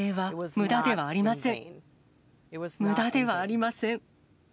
むだではありません。